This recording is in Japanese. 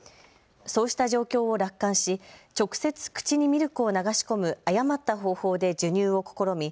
そうした状況を楽観し、直接口にミルクを流し込む誤った方法で授乳を試み